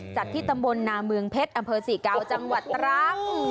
จัดที่ตำบลนามืองเพชรอำเภอ๔๙จังหวัดตรัก